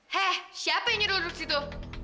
hei siapa yang nyuruh duduk situ